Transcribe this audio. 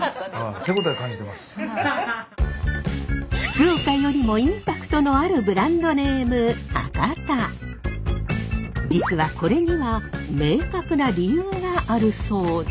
福岡よりもインパクトのある実はこれには明確な理由があるそうで。